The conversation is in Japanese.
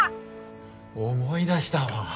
思い出したわ。